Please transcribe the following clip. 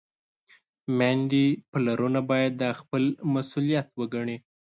میندې، پلرونه باید دا خپل مسؤلیت وګڼي.